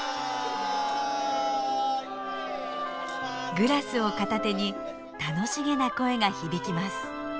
グラスを片手に楽しげな声が響きます。